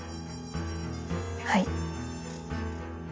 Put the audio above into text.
はい。